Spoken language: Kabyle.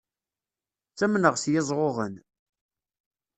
Ttamneɣ s yiẓɣuɣen.